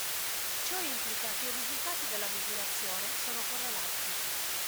Ciò implica che i risultati della misurazione sono correlati.